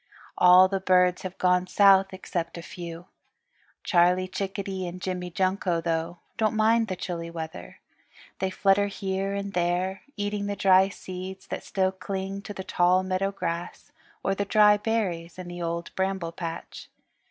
All the birds have gone south except a few. Charlie Chickadee and Jimmy Junko, though, don't mind the chilly weather. They flutter here and there, eating the dry seeds that still cling to the tall meadow grass, or the dry berries in the Old Bramble Patch.